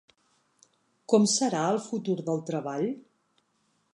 Com serà el futur del treball?